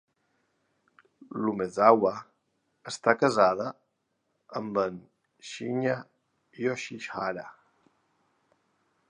L'Umezawa està casada amb en Shinya Yoshihara.